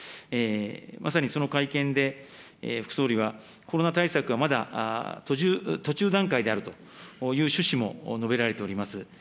まさにその会見で、副総理はコロナ対策はまだ途中段階であるという趣旨も述べられております。